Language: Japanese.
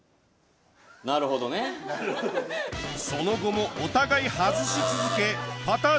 その後もお互い外し続けパター